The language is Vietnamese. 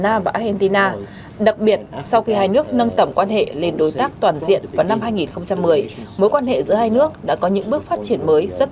năm mươi năm sau khi hai nước việt nam và argentina thiết lập quan hệ chính thức trải qua biết bao biến cố và thăng trầm của lịch sử quan hệ giữa hai nước ngày nay đã phát triển mạnh mẽ hơn bao giờ hết